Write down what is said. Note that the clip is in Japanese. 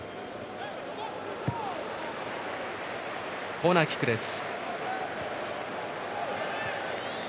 コーナーキックです。